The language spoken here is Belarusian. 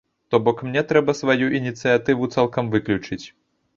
То бок мне трэба сваю ініцыятыву цалкам выключыць.